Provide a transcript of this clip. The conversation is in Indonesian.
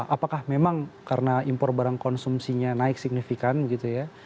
apakah memang karena impor barang konsumsinya naik signifikan gitu ya